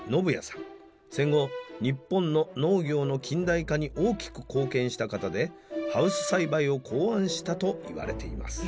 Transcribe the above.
戦後日本の農業の近代化に大きく貢献した方でハウス栽培を考案したと言われています。